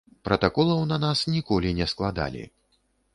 Пратаколаў на нас ніколі не складалі.